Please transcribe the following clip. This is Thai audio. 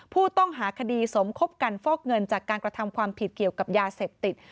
ผู้ต้องหาคดีสมคบกันฟอกเงินจากการกระทำความผิดเกี่ยวกับยาเสพติด